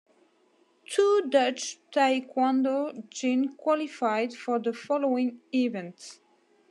Two Dutch taekwondo jin qualified for the following events.